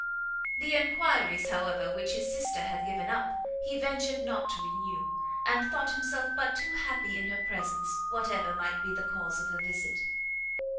The enquiries, however, which his sister had given up, he ventured not to renew, and thought himself but too happy in her presence, whatever might be the cause of her visit.